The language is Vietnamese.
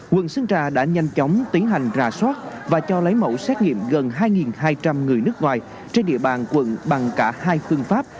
quận sơn trà đã nhanh chóng tiến hành rà soát và cho lấy mẫu xét nghiệm gần hai hai trăm linh người nước ngoài trên địa bàn quận bằng cả hai phương pháp